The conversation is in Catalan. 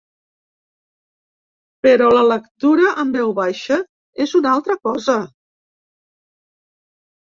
Però la lectura en veu baixa és una altra cosa.